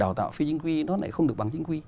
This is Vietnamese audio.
đào tạo phi chính quy nó lại không được bằng chính quy